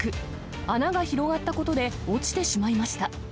穴が広がったことで、落ちてしまいました。